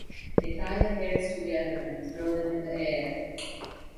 They tie the hairs together and throw them in the air.